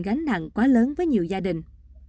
gánh nặng quá lớn với nhiều gia đình